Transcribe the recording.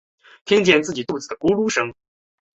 听见自己肚子的咕噜声